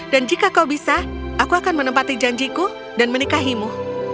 dan jika kau bisa aku akan menempati janjiku dan menikahimu